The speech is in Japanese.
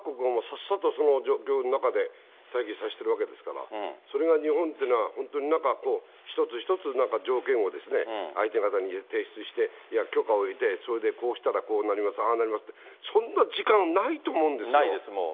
だって各国はさっさとその状況の中で退避させてるわけですから、それが日本っていうのは、本当になんかこう、一つ一つなんか条件を相手方に提出して、許可を得て、それでこうしたらこうなります、ああなりますって、そんな時間ないと思うんないです、もう。